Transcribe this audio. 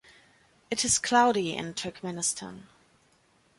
It is cloudy in Turkmenistan.